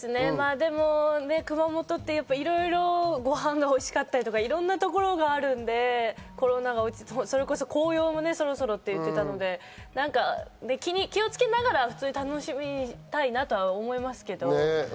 でも熊本ってご飯がおいしかったり、いろんなところがあるのでコロナが落ち着いて、紅葉もそろそろって言っていたので、気をつけながら楽しみたいなと思いますけど。